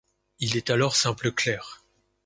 Il est alors simple clerc.